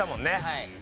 はい。